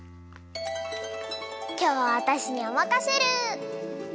きょうはわたしにおまかシェル。